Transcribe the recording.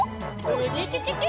ウキキキ！